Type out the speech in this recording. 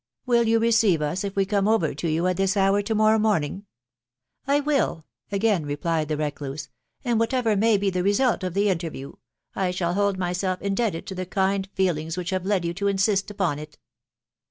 Will you receive us if we come ov«i to you at thi» hour to morrow morning ?"" I will," .... again replied the recluse ;" and, whatever may be the result of the interview, I shall hold myself in debted to the kind feelings which have led you to insist upon it."